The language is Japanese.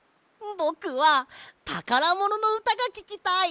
ぼくはたからもののうたがききたい！